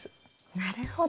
なるほど。